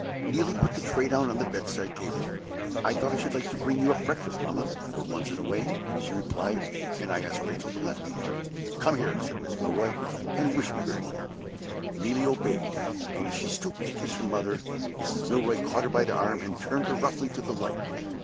Neelie put the tray down on the bedside table. "I thought I should like to bring you up your breakfast, mamma, for once in a way," she replied, "and I asked Rachel to let me." "Come here," said Mrs. Milroy, "and wish me good morning." Neelie obeyed. As she stooped to kiss her mother, Mrs. Milroy caught her by the arm, and turned her roughly to the light.